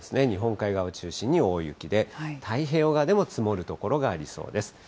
日本海側を中心に大雪で、太平洋側でも積もる所がありそうです。